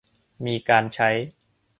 มีการใช้